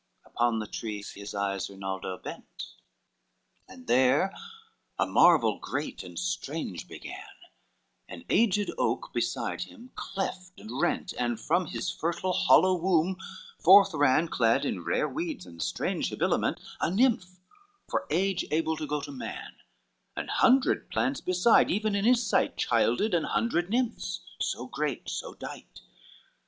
XXVI Upon the trees his eyes Rinaldo bent, And there a marvel great and strange began; An aged oak beside him cleft and rent, And from his fertile hollow womb forth ran, Clad in rare weeds and strange habiliment, A nymph, for age able to go to man, An hundred plants beside, even in his sight, Childed an hundred nymphs, so great, so dight.